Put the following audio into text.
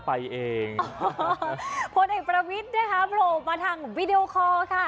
พลเอกประวิทวงสุวรรณโผล่มาทางวิดีโอคอลค่ะ